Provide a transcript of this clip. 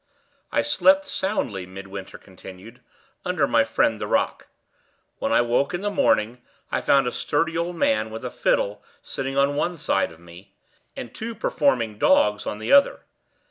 "I slept soundly," Midwinter continued, "under my friend the rock. When I woke in the morning, I found a sturdy old man with a fiddle sitting on one side of me, and two performing dogs on the other.